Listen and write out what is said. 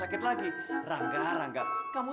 aku duduk belakang sendiri